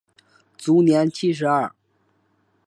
卒年七十二。